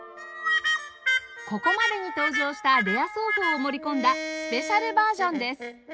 ここまでに登場したレア奏法を盛り込んだスペシャルバージョンです